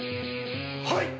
はい！